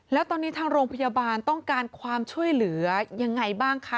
แล้วตอนนี้ทางโรงพยาบาลต้องการความช่วยเหลือยังไงบ้างคะ